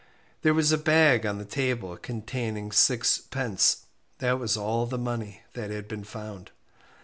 There was a bag on the table containing 6d. that was all the money that has been found.